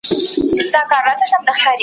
د فرعون په سر کي تل یوه سودا وه .